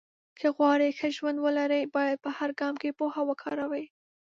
که غواړې چې ښه ژوند ولرې، باید په هر ګام کې پوهه وکاروې.